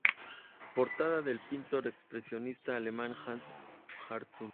Portada del pintor expresionista alemán Hans Hartung.